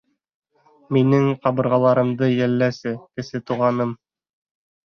— Минең ҡабырғаларымды йәлләсе, Кесе Туғаным.